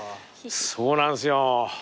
そうなんすよ。